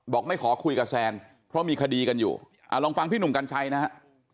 ไม่ขอคุยกับแซนเพราะมีคดีกันอยู่ลองฟังพี่หนุ่มกัญชัยนะฮะ